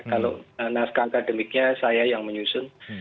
kalau naskah akademiknya saya yang menyusun